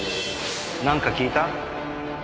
なんか聞いた？